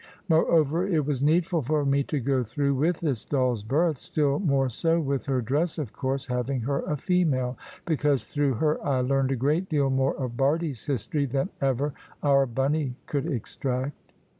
Moreover, it was needful for me to go through with this doll's birth (still more so with her dress, of course, having her a female), because through her I learned a great deal more of Bardie's history than ever our Bunny could extract.